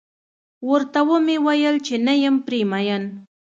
ورته و مې ويل چې نه یم پرې مين.